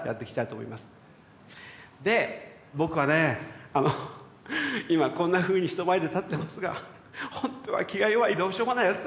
で僕はねぇあの今はこんなふうに人前で立ってますが本当は気が弱いどうしようもないやつなんです。